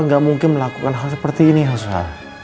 nggak mungkin melakukan hal seperti ini susah